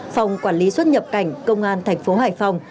phòng quản lý xuất nhập cảnh công an thành phố hải phòng